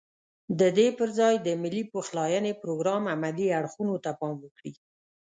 ددې پرځای د ملي پخلاينې پروګرام عملي اړخونو ته پام وکړي.